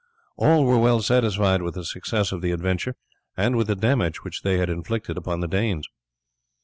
All were well satisfied with the success of the adventure, and with the damage which they had inflicted upon the Danes.